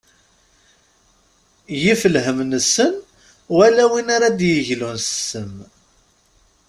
Yif lhem nessen wala win ara d-yeglun s ssem.